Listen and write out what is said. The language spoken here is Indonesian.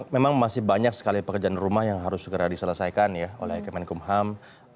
memang masih banyak sekali pekerjaan rumah yang harus segera diselesaikan ya oleh kemenkumham